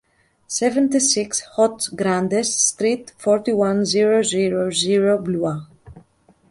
seventy-six Hautes Granges street, forty-one, zero zero zero, Blois